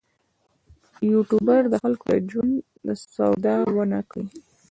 یوټوبر دې د خلکو له ژوند سودا ونه کړي.